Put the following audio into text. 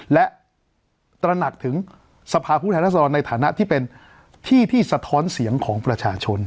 และตระหนักถึงสภาพผู้แทนรัศดรในฐานะที่เป็นที่ที่สะท้อนเสียงของประชาชน